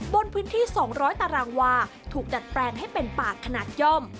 บนพื้นที่๒๐๐ตารางวาถูกดัดแปลงให้เป็นป่าขนาดย่อม